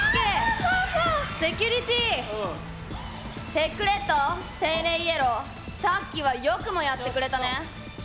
テックレッドセイレイイエローさっきはよくもやってくれたね。